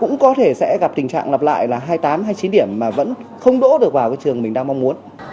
rất có thể sẽ dẫn đến tình trạng điểm thi cao nhưng vẫn không đỗ đại học